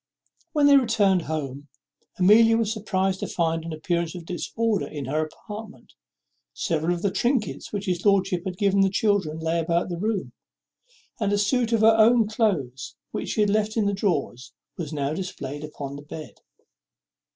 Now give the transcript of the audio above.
When they returned home Amelia was surprized to find an appearance of disorder in her apartment. Several of the trinkets which his lordship had given the children lay about the room; and a suit of her own cloaths, which she had left in her drawers, was now displayed upon the bed.